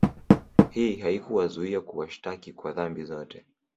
Hii haikuwazuia kuwashtaki kwa dhambi zote